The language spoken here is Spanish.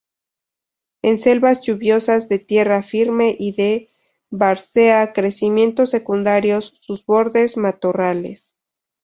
En selvas lluviosas de tierra firme y de várzea, crecimientos secundarios, sus bordes, matorrales.